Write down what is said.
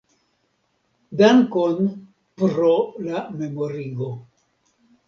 Dankon pro la memorigo.